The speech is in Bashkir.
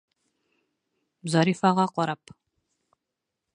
Зарифаға ҡарап: